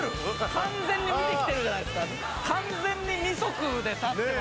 完全に見てきてるじゃないすか完全に二足で立ってますけど・ねえ